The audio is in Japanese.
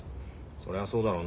そりゃそうだろう